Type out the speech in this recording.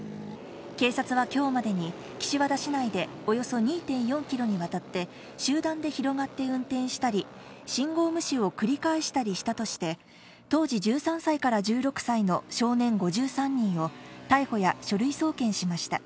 警察はきょうまでに、岸和田市内でおよそ２．４キロにわたって、集団で広がって運転したり、信号無視を繰り返したりしたとして当時１３歳から１６歳の少年５３人を、逮捕や書類送検しました。